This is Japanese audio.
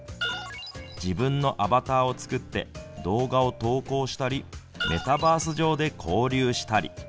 自分のアバターを作って動画を投稿したりメタバース上で交流したり。